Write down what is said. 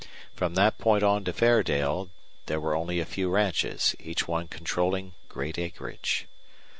From that point on to Fairdale there were only a few ranches, each one controlling great acreage.